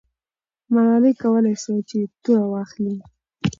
ملالۍ کولای سوای چې توره واخلي.